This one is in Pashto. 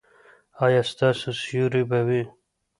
ایا ستاسو سیوری به وي؟